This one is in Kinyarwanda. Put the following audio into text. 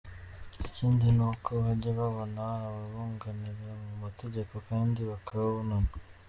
Ikindi ni uko bajya babona ababunganira mu mategeko kandi bakabonana.